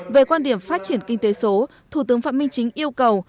về quan điểm phát triển kinh tế số thủ tướng phạm minh chính yêu cầu